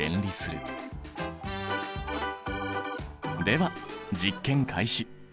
では実験開始。